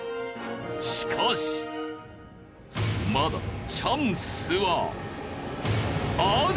しかしまだチャンスはある！